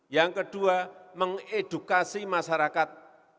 yang kedua mengedukasi masyarakat